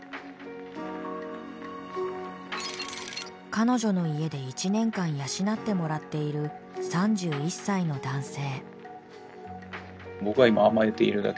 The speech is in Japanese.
彼女の家で１年間養ってもらっている３１歳の男性。